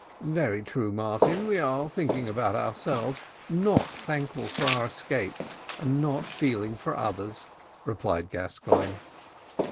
"Very true, Martin, we are thinking about ourselves, not thankful for our escape, and not feeling for others," replied Gascoigne.